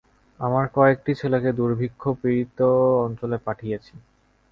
আমার কয়েকটি ছেলেকে দুর্ভিক্ষ-পীড়িত অঞ্চলে পাঠিয়েছি।